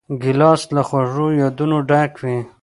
ګیلاس له خوږو یادونو ډک وي.